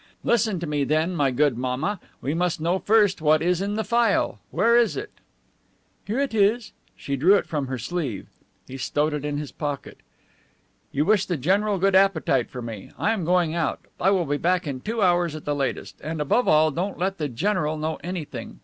Listen to me, then, my good mamma. We must know first what is in the phial. Where is it?" "Here it is." She drew it from her sleeve. He stowed it in his pocket. "You wish the general a good appetite, for me. I am going out. I will be back in two hours at the latest. And, above all, don't let the general know anything.